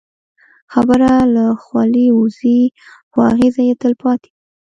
خبره له خولې ووځي، خو اغېز یې تل پاتې وي.